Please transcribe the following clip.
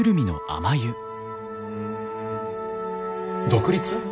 独立？